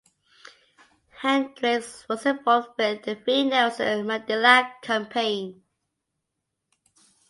Hendricks was involved with the Free Nelson Mandela campaign.